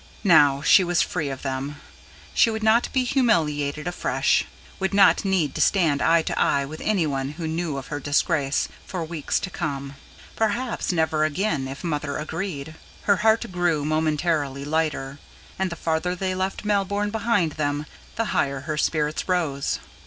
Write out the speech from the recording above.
Now, she was free of them; she would not be humiliated afresh, would not need to stand eye to eye with anyone who knew of her disgrace, for weeks to come; perhaps never again, if Mother agreed. Her heart grew momentarily lighter. And the farther they left Melbourne behind them, the higher her spirits rose.